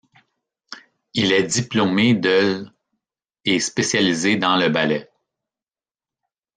Il est diplômé de l' et spécialisé dans le ballet.